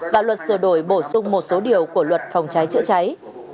và luật sửa đổi bổ sung một số điều của luật phòng cháy chữa cháy